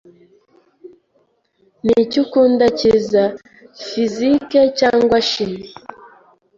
Niki ukunda cyiza, physics cyangwa chimie?